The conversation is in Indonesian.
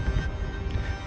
dia akan mencari